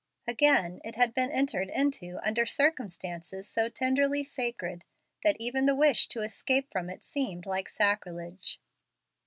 Again, it had been entered into under circumstances so tenderly sacred that even the wish to escape from it seemed like sacrilege.